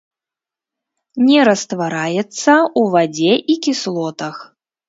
Не раствараецца ў вадзе і кіслотах.